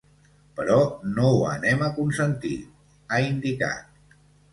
Però no ho anem a consentir, ha indicat.